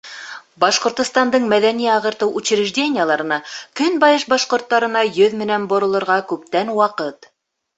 Башҡортостандың мәҙәни-ағартыу учреждениеларына көнбайыш башҡорттарына йөҙ менән боролорға күптән ваҡыт.